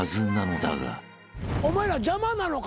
お前ら邪魔なのか？